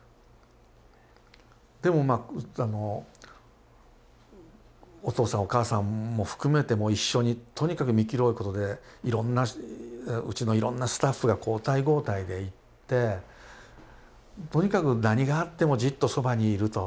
でもまああのお父さんお母さんも含めてもう一緒にとにかく見きろうということでうちのいろんなスタッフが交代交代で行ってとにかく何があってもじっとそばにいると。